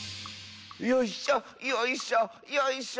「よいしょよいしょよいしょ。